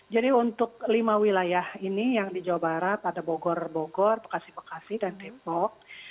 jadi untuk lima wilayah ini yang di jawa barat ada bogor bogor bekasi bekasi dan depok